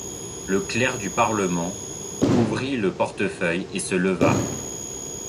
Le clerc du parlement ouvrit le portefeuille, et se leva.